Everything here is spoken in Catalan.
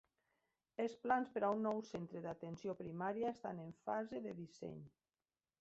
Els plans per a un nou centre d'atenció primària estan en fase de disseny.